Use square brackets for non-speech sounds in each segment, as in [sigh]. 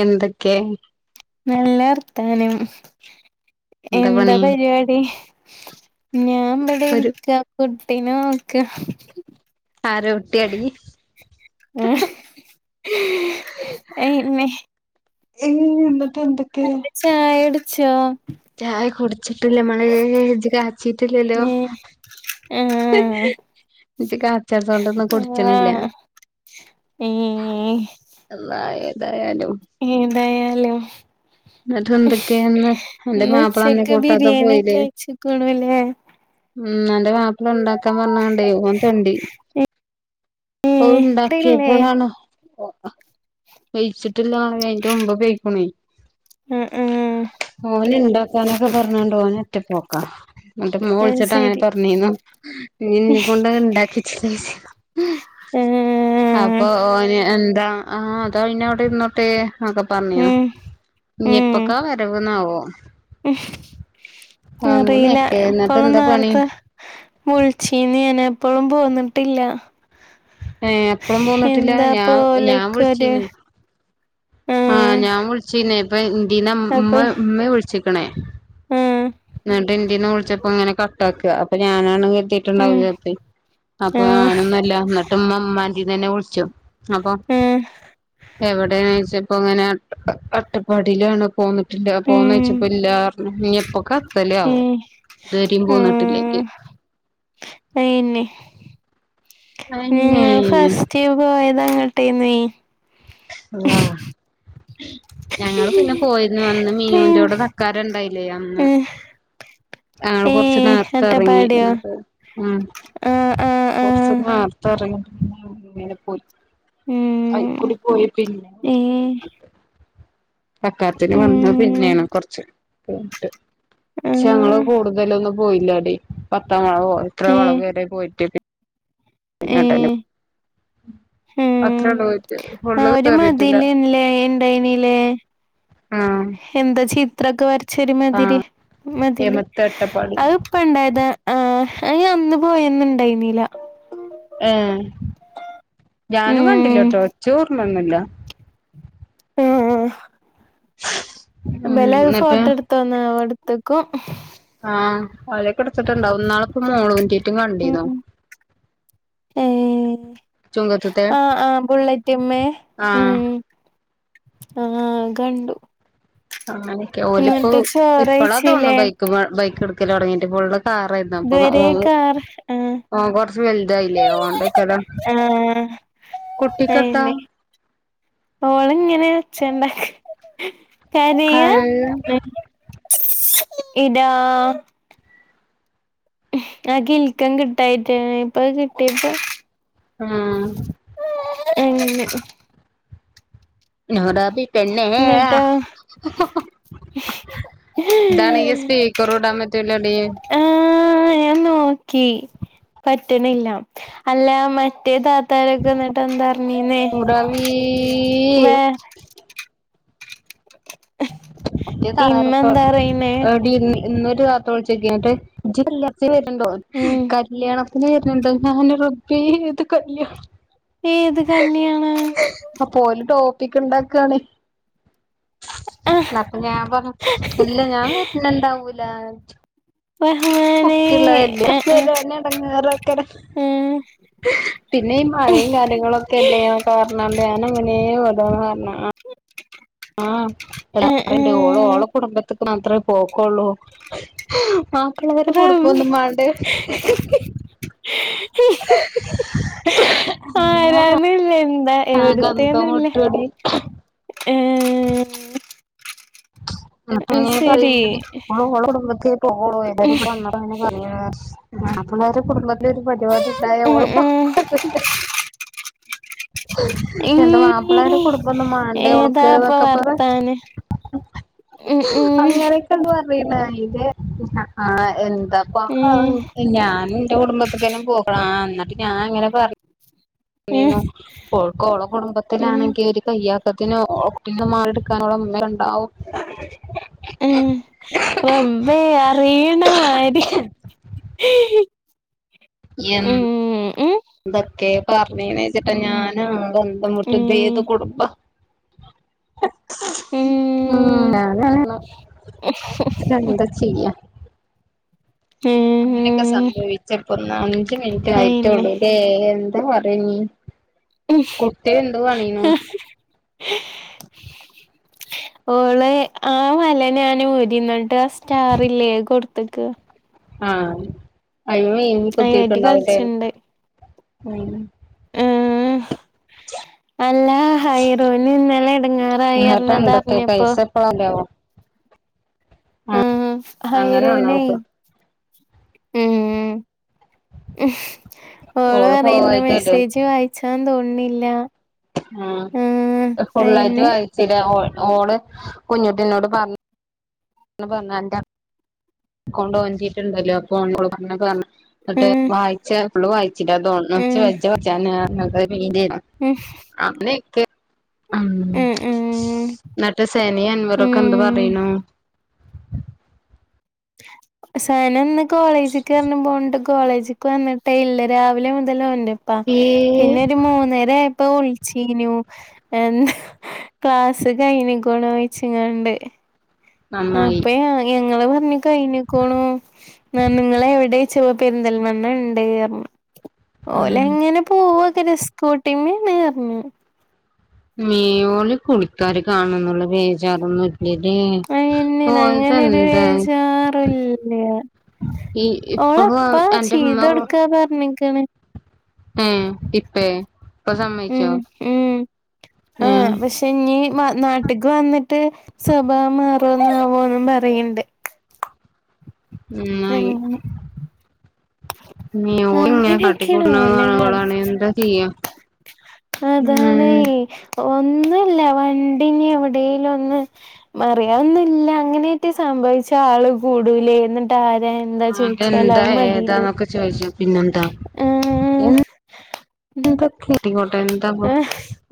എന്തെക്കേ നല്ല വർഥാനം എന്താ പരിപാടി ഞാ ഇബ്ടെ ഒരു ഇരിക്ക കുട്ടിനെ നോക്ക ആ രുട്ടി ആടി അയെഞെ [unintelligible] ഏ എന്ന്ട്ടെന്തൊക്കെ ഛൊ [unintelligible] ചായ കുടിച്ചിട്ടില്ല നമ്മള് ഇജ് കാച്ചിട്ടില്ലല്ലോ ഉം ജ്ജ് കാച്ചത്തൊണ്ടിന്നും കുടിച്ചിണില്ല ഏ അല്ലാഹ് ഏതായാലും ഏതായാലും എന്ന്ട്ട് ന്തൊക്കെയായിന്ന് ന്റ ഇന്ന് മാപ്പള അന്ന ഉച്ചക്ക് കൂട്ടാതെ ബിരിയാണി ഒക്കെ പോയില്ലേ കഴിച്ചിക്കണുല്ലേ ഉം ന്റ മപ്പ്ള ഇണ്ടാക്കാൻ പറഞ്ഞണ്ടേ ഓൻ തെണ്ടി ഏ ഓ ഇല്ലേ ഇണ്ടാക്കിയപ്പോളാണ് [unintelligible] വെഴിച്ചിട്ടില്ല അയിന്റെ മുമ്പ് പെഴിക്കുണൈ ഉം ഉം ഓന് ഇണ്ടാക്കാനൊക്കെ പറഞ്ഞാണ്ട് ഓനൊറ്റ പോക്കാ ന്ന്ട്ട് മ്മ അത് വിളിച്ചിട്ട് അങ്ങനെ ശരി പർഞ്ഞീന്നു ന്നിനി ന്ന കൊണ്ട് അഹ് [unintelligible] [unintelligible] [inaudible] ആഹ് അപ്പൊ ഓന് എന്താ ആഹ അതാ പിന്ന അവിട ഇരിന്നോട്ടേ ഒക്കെ പറഞ്ഞിന്ന് ഉം ഉം ഇനിപ്പക്കാ വരവ്ന്നാവോ [unintelligible] അറിയില്ല അങ്ങനെയൊക്കെ എന്നിട്ട് ഇപ്പഴു എന്താ പണി നേരത്തെ വിളിച്ചീന്നനെ പ്പോഴും പൊന്നിട്ടില്ല ഏഹ് അപ്പളും പോന്നിട്ടില്ല എന്താ ഞാൻ ഞാൻ പോലക്കര് വിളിച്ചീന്ന് ആഹ് ഞാൻ വിളിച്ചീന്നേ ഇപ്പ ന്റീന്ന് മ്മ മ്മേ വിളിച്ചിക്കണേ ഉം ന്നിട്ട് ന്റീന്ന് വിളിച്ചപ്പോ ങ്ങനെ കട്ട്‌ അക്ക അപ്പൊ ഞാൻ ആണെങ്കി [unintelligible] ത്തീട്ട് ണ്ടാവും ഉം ചെലപ്പേ അപ്പോ ആ ഞാൻ ഒന്നല്ല, ന്നിട്ട് മ്മ മ്മന്റീന്ന് തന്നെ വിളിച്ചു അപ്പൊ ആ എവിടെന്നോയ്ച്ചപ്പോ ങ്ങനെ അട്ടപ്പാടിയിലാണ്. പോന്നിട്ടില്ല. ഉം പൊന്നോയ്ച്ചപ്പോ ഇല്ലറഞ്ഞു [unintelligible] ത്തല് ആവോ. ഏ ദ് വരിം ആ പോന്നിട്ടില്ലെങ്കിൽ അന്നെ നിങ്ങള് ഫസ്റ്റ് പോയത്ങ്ങട്ടേന്നീ- ആ ഞങ്ങള് പിന്നെ പോയിന്ന് വന്ന് ഉം മീനുന്റോടെ തക്കാര ഇണ്ടായില്ലേ അന്ന് ഉം [unintelligible] ഏ കുറച്ച് നേർത്തെ ഇറങ്ങി അട്ടപ്പാടിയോ ന്നിട്ട് ആ ആ ആ കുറച്ചൊ നേർത്ത ഇറങ്ങി ഉം [unintelligible] പിന്നെ ഏ അക്കാത്തിൽ വന്നത് ഉം പിന്നെയാണ് കുറച്ച് [unintelligible] ആ ഞങ്ങള് കൂടുതലൊന്നും പോയില്ലടി പത്താംമളവ പോ ഇത്ര ഏ കളവ് വേരെ [inaudible] ഏ [unintelligible] അത്രേ ഉം ഉള്ളൂ [unintelligible] ആ ഫുള്ള് ഒരു കേറിയിട്ടില്ല മതില് ല്ലേ ഇണ്ടായിനില്ലേ ആഹ് എന്താ ചിത്രൊക്കെ [unintelligible] ശെരി മതിരി ആഹ് മതില് എമത്ത് അട്ടപ്പാടി അത്പ്പ ഉണ്ടായത് ആ ആ അന്ന് പോയന്ന് ഇണ്ടായിന്നീല ഏ ഞാനും കണ്ടില്ലാ ഉം ട്ടോ ഇച്ച് ഓർമൊന്നുല്ല. ഉം [inaudible] ബല [unintelligible] എന്നിട്ട് ഫോട്ടോ എടുത്തന്ന [unintelligible] ആഹ [unintelligible] ഇടത്തിട്ട ണ്ടാവും ഇന്നാളിപ്പ [unintelligible] കണ്ടിന്നു ഏ ചുങ്കത്തത്തെ ആ ആ ബുള്ളറ്റിമേ ഉം ആഹ് ഉം ആഹ ഗണ്ടു [unintelligible] ഓല ഇപ്പോ ഇപ്പളാ തോന്നു ചോറെയ്ച്ചിലേ ബൈക്കിമ്മേ ബൈക്ക് എടുക്കല തുടങ്ങിട്ട് [unintelligible] ആറന്നാ അപ്പ ഇതുവരെ കാർ ആഹ് [unintelligible] ഓ കൊറച്ച് വലുതായില്ലേ അതോണ്ടെയ്ക്കാരം, ആഹ് കുട്ടിക്ക് എത്ത ഓള ഇങ്ങനെച്ചണ്ടാക്ക കരയ കഴിവ് ഇതാ ആ കിൽക്കം കിട്ടായിട്ടേ എ ഇപ്പൊ അയ് കിട്ടിയപ്പോ ആഹ എ നടബ പിന്നെ എന്നിട്ടോ ഇതാണേ സ്പീക്കറോടാൻ പറ്റൂലടി ആ നോക്കി പറ്റുന്നില്ല അല്ല മറ്റേത ത്തരക്കന്നിട്ട എന്താർഞ്ഞീനെ നൂറാബീ വേ- മറ്റേ ഇമ്മ താറാറൊക്കെ എന്താ പറയിന്നേ എടി ഇന്ന് ഇന്നൊരു രാത്ര വിളിച്ചോക്കിട്ട് ഇജ് കല്യാണത്തിന് വരുണ്ടോ ഉം കല്യാണം വരുണ്ടോ ഞാൻ റബ്ബേ ഏതു കല്ല്യ ഏത് കല്യാണം കുട്ടക്ക് ഇണ്ടാക്കാ ണ് ആ എന്നപ്പ ഞാൻ പറ ഇല്ല ഞാൻ വരുന്ന ഇണ്ടാവൂല റഹ്മാനെ കുട്ടിള്ളതല്ലേ ആ ആ ബിരിയാണി അടങ്ങറൊക്ക ആ പിന്നെ ഈ മഴയും കാര്യങ്ങളൊക്കെ അല്ലേ കാരണണ്ട് ഞൻ അങ്ങനെ വതന്ന് പറ ആ ആ ആ എ ഓള ഓള കുടുംബത്തി മാത്രമേ പോക്കുള്ളൂ ആ മള്ളവരെ റബ്ബേ കൂടുമ്പോന്നും വാണ്ടേ പിന്നെ ആരാന്നില്ല എന്താ ആ ഗന്ത എവിടത്തേന്നുല്ല മുട്ടടി ഏ അ അത് ശരി പറയണ്ടഓഓള കുടുംബ പോകളോ [unintelligible] ഞപ്പള്ള ഒരു കുടുംബത്തില ഒരു പരിപാടിണ്ടായ ഉം ഓള് പോ ഉം [unintelligible] എന്റെ മാപ്പിള്ളരു ഉം കൊടുുബന്ന മണ്ട ഉളുക്ക് ഏതാപ്പ എന്നൊക്കെപ്പത് വർത്താനം ഉം ഉം അങ്ങരക്കണ്ട [unintelligible] ആ എന്താപ്പ ഉം ഞാൻന്റെ കുടുംബത്തക്കനും പോകണം ആ എന്ന ഞാ അങ്ങനെ പർ ഉം ഓൽക്ക് ഓള ഉം കുടുംബത്തിലാണെങ്കി യാക്കത്തിന് ഒട്ട മാട എടുക്കാനോുള്ള ഉമ്മ ഉണ്ടാവും ഉം റബ്ബേ അറിയണ മാരി എ ഉം ഉം ഇതൊക്കെ പറഞ്ഞണിച്ചിട്ടാ ഞാൻ ബന്ധമുട്ട് ഉം ഭേത് കുടുബ ഉം [unintelligible] എന്താ ചെയ്യാ അങ്ങനെയൊക്കെ ഉം സംഭവിച്ചപ്പൊ അഞ്ച മിനിറ്റ് അയിന്നെ ആയിട്ടോള്ളൂല്ലേ പറഞ്ഞ് കുട്ടി എന്ത് വണീ ന്നു ഓള് ആ മല ഞാൻ ഉരിന്നിട്ട് ആ സ്റ്റാറല്ലേ കൊടുത്തക്ക് ആ അയ അയിനായിട്ട് കുത്തിട്ടുണ്ടാവുല്ലേ കളിച്ചിണ്ട് ആഹ് അല്ല ഹൈറൂന് ഇന്നലെ എടങ്ങേറായി പറഞ്ഞത് നട്ടണ്ടക്ക അറിഞ്ഞപ്പോ കൈസ പാല [inaudible] വ ഉം അങ്ങനെയാണോ ഹൈറൂനെ ഓക്ക് ഉം ഓള് പറയ്ന്ന മെസ്സേജ് വായിച്ചാ തോന്നില്ല ആ ഫുള്ളായിട്ട് അയന്നെ വായിച്ചല്ല ഓ ഓള് കുഞ്ഞുട്ടിന്നോട് പർ പറഞ്ഞ എന്റെ അക്കൗണ്ട് ഓൻറ്റിട്ടുണ്ടല്ലോ അപ്പൊ ഓൻ കൊടുക്കുന്നപറ എന്നിട്ട് ഉം വായിച്ച ഫുള് വായിച്ചില്ലതോ ഉം തോന്ന്ണ് [unintelligible] മീനെ ഉം അന്നക്ക [inaudible] ഉം എന്നട്ട് സേന അൻവറിക്കെ ഉം എന്ത് പറയ്ണു സേന ഇന്ന് കോളേജിൽക്ക എന്നും പോണ്ട് കോളേജക്ക് വന്നിട്ടേ ഇല്ല രാവിലെ മുതലഓന്റെപ്പാ ഏഹ് പിന്നെ ഒരു മൂന്നേര ആ ഇപ്പൊ വിളിച്ചീനു എന്താ ക്ലാസ്സ് കഴനിക്കണ വച്ചിങ്ങണ്ട് നന്നായി അപ്പ ങ്ങള ഇന്നി കയ്ഞ്ഞിക്ക്ണോ നിങ്ങളെവിടെയ്ച്ചു പെരുന്തൽമണ്ണണ്ട് അർഞ്ഞു ഉം ഓലഅങ്ങനെ പോവക്കെര സ്കൂട്ടിമ്മെണ്ർഞ്ഞു മീയോല് കുളിക്കാര് കാണന്നുള്ള ബേജാറന്നും ല്ല ലേ അയെന്നെണ് ഓൽത് അങ്ങനൊരു എന്ത ബേജാറുല്ല. ഇ ഓളെപ്പാ ഇപ്പഴും അന്റെമ്മ ചെയ്തൊട്ക്കാ പർഞ്ഞ്ക്ക്ണ്. ഏ ഇപ്പെ ഉം ഉം ആ ഏ പഷെഞ്ഞി നാട്ട്ക്ക് വന്നിട്ട് സ്വഭാവം മാറോന്നാവോന്നും പറയണ്ട് ഉംന്നായി മിയ ഓലുങ്ങനെ അങ്ങനെയൊക്കെയാണ് കാട്ടിക്കൂട്ടണത് കാണുമ്പോളാണ് എന്താചെയ്യാ അതാണ് ഒന്നുല്ല വണ്ടിഞ് എവിടേലുഒന്ന് മറിയൊന്നില്ല അങ്ങനെറ്റ സ ഭവിച്ചാൽ ആള് കൂടൂലെ എന്ന്ട്ട് ആരെ എന്താ ചൊയ്ച്ചാല് അതെന്താ അഹ് മതിലെ ഏതാന്നൊക്കെ ചോദിച്ചു പിന്നെന്താ എൻ എന്തൊക്കെ റ്റിങ്കോട്ടെ എന്താപ്പം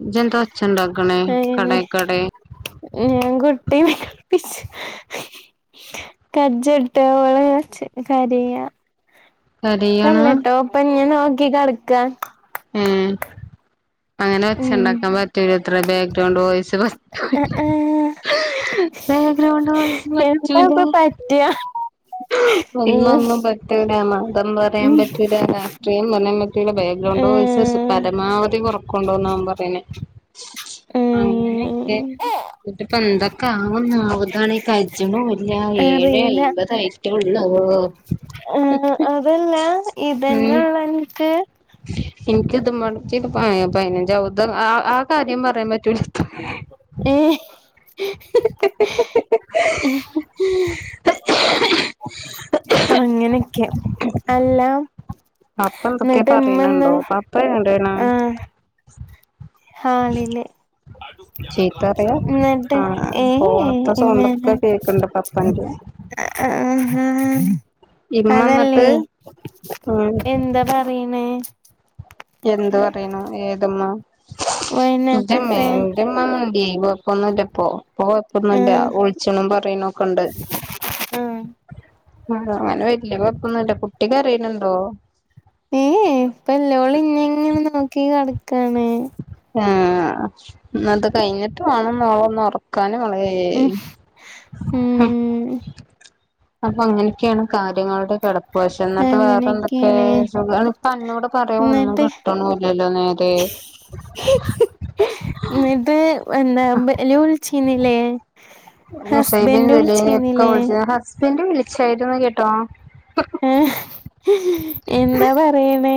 ഇജ് ന്താ ഒച്ചണ്ടാക്ക്‌ണെ കടെ അയന്നെ കടെ ഞാൻ കുട്ടിം കജ്ജ്ട്ട ഓള അ ഒച്ചേട്ട് കരയ കരയാണ് പ്പല്ലട്ടോ പ്പ ഇന്നിംനോക്കി കെട്ക്ക ഉം അങ്ങനെ ഉം ഒച്ചണ്ടക്കപറ്റൂലത്ര ബാഗ്രൗണ്ട് വോയിസ് അ ആ ബേഗ്രോണ്ട് വോയിസ് എന്താ പറ്റൂലെ ഇപ്പ പറ്റാ ! ഉം ! ! ! ! ! ! ! ! ഉം ! കുട്ടിളെ ബാഗ്രൗണ്ടവോയിസസ് ഏഹ് പരമാവധി കൊറുക്കൊണ്ടന്നാ അവൻ പറയുന്നത് അങ്ങനെക്കെ ഉം ന്നിട്ട് പ്പന്തക്കെ ആവുന്ന് ആവോ ഇതാണെ കജ്ജ്ണൂല്ല ഏയെ അയ്മ്പതായി ഒന്നോ ഓ അതെല്ല ഇതെന്നെള്ളുഅൻക് ! ! ! ! ! ! ! ! ! ! ഏ ഇഹ് ഹി അങ്ങനെയൊക്കെ അല്ല അപ്പന്തൊക്കെ എന്നിട്ട് ഇമ്മന്ന് പറിനിണ്ടോ പപ്പ എവിടെണ് ആഹ് ഹാളില് ചീത്തറിയാ ന്നട്ട് ആ ഏ ഏ ഫോണത്തെ ഇമ്മേന സൗണ്ടൊക്കെ കേക്കണ്ട് പപ്പന്റെ ന്ഹ ഹേ ഹ ആ ഇമ്മ അതല്ലേ എന്നിട്ട് ഉം എന്താ പറീണ് എന്ത് പറയെണു ഏതമ്മ ന്റെമ്മേ വയനാട്ടത്തെ ന്റെമ്മാ ഈ വെപ്പൊന്നല്ലപ്പോ ഇപ്പം കൊയപ്പന്നുല്ല ആഹ് വിളിച്ചിണും പറയ്നൊക്കെണ്ട് ആഹ് അങ്ങനെ വല്ല്യ കൊയപ്പന്നുല്ല്യ കുട്ടി കരയന്ണ്ടോ ഏ ഏ പ്പല്ലോള് ഇന്നെങ്ങനെ നോക്കി കെടക്കാണ് ആ ന്നാത് കഴിഞ്ഞിട്ട് വാണം മോളൊന്ന് ഒറക്കാന് ല്ല മളേ ഉം ഹ ഉം അപ്പ അങ്ങനെക്കെണ് കാര്യങ്ങളുടെ കെടപ് വശം ന്നട്ട് വേറെന്തക്കെ അങ്ങനെയൊക്കെയാണ് സുഖാണ് ക്ക് അന്നോട് പറയാൻ ഒന്നും കിട്ട്ണു ല്ലല്ലോ നേരെ ന്നട്ട് എന്താ ഇബല് വിളിച്ചീനില്ലേ നുസൈബിൻ സലീനിക്കൊ വിളിച്ചീ ഹസ്ബന്റ് വിളിച്ചായിരുന്ന് കേട്ടോ ഹും എന്താ പറയണ്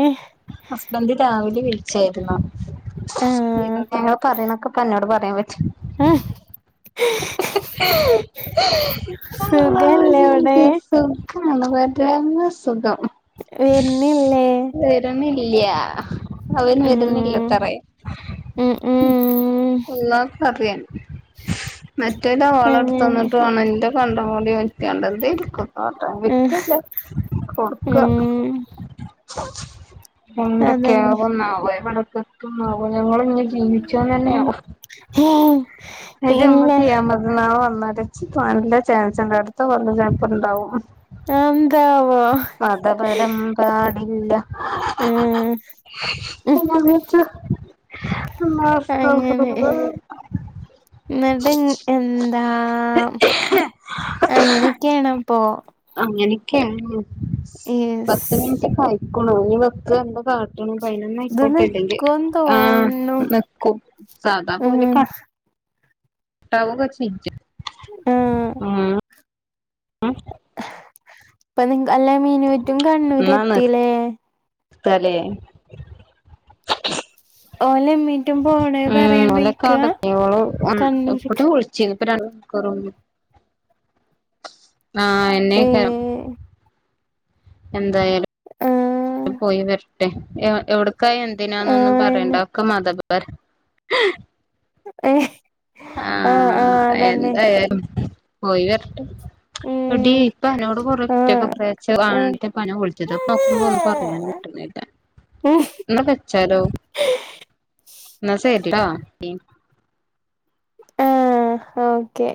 ഹസ്ബന്റ് രാവിലെ വിളിച്ചേയിരുന്നു ഇക്കാക്കെന്നോ പറയുന്നക്കെപ്പന്നോട് പറയാൻ പ അ ഹ് അള്ളോ സുഖല്ലേ അവിടെ രസം [unintelligible] പരമ സുഖം വരിനില്ലേ ന്നില്ലിയ അവൻ ഉം വരുന്നില്ലത്രേ ഉം ഉം അല്ലാഹ് ക്കറിയാം മറ്റൊല വള അങ്ങനെ ട്തന്നിട്ട് വേണം ഇന്റെ പണ്ടങ്കൂടി വെച്ച് കാണ്ട് [unintelligible] ഓട്ടാ ഉം വിക്കല്ല കൊടുക്കാ ഉം എന്തൊക്കെ അതന്നെ യാവുന്നാവും എവിടെക്കെത്തുന്നാവും കുഞ്ഞുങ്ങൾ ഞ്ഞ് ഉം ജീവിച്ചോന്നാവും ഇജ് ഇല്ല മ്മക്ക് ഖിയാമത് നാള് വന്നാല് ച്ച് പ്പം ചാൻസ് ഉണ്ടാവും അടുത്ത കൊല്ലം ഞ്ഞാൽപ്പം ണ്ടാകും എന്താവോ മത പരം പാടില്ല ങ്‌ ഹ് മസ് [unintelligible] മത എന്താ അങ്ങനെയൊക്കെയണപ്പൊ ! ! ! ! ! ! ! ! ! ! ! ഇത് ! ! ! നിക്കുന്ന് ! ! തോന്നുണു ! ! ! ! സാദ ഉം പോലക്ക ആഹ് [unintelligible] ആ ഇപ്പൊ നി അല്ലേ മീനൂറ്റും കണ്ണൂരും എത്തില്ലേ തലേ ഓല്ലെ ഉം ഓലക്കവിടെത്തി ഓളെ ഉം കുട്ടി കണ്ണൂർക്ക് വിളിച്ചിഞ്ഞി [unintelligible] ആഹ എന്നെക്കം ഏഹ് എന്ത പോയി വരട്ടെ എവിടക്കാ എന്തിനാന്നൊന്നും പറയണ്ട ആഹ് ഒക്കെ മത [unintelligible] ആഹ് ആഹ് ആഹ ആഹ് അതന്നെ എന്തായാലും പോയി വരട്ടെ എടീ ഉം ഇപ്പ അനോട് കുറേ ആഹ് ആഹ് [unintelligible] [inaudible] പറയാൻ കിട്ടുന്നില്ല എന്നാ വെച്ചാലോ എന്നാ ശരി ട്ടോ ആഹ ഓക്കെ